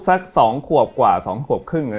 สักสองขวบกว่าสองขวบครึ่ง